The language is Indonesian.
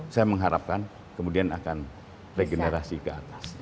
saya mengharapkan kemudian akan regenerasi ke atas